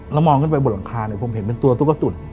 แล้วมองขึ้นไปบนหลังคาเนี่ยผมเห็นเป็นตัวตุ๊กตุ๋น